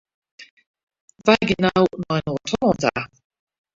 Wy gean no nei Noard-Hollân ta.